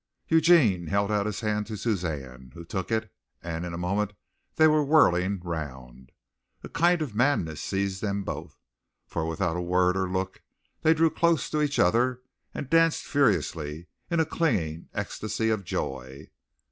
Eugene held out his hand to Suzanne, who took it, and in a moment they were whirling round. A kind of madness seized them both, for without a word or look they drew close to each other and danced furiously, in a clinging ecstasy of joy.